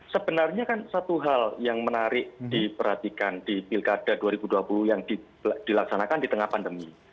sebenarnya kan satu hal yang menarik diperhatikan di pilkada dua ribu dua puluh yang dilaksanakan di tengah pandemi